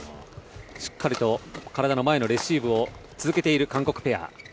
しっかりと体の前のレシーブを続けている韓国ペア。